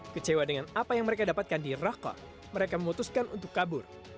kecewa dengan apa yang mereka dapatkan di rakot mereka memutuskan untuk kabur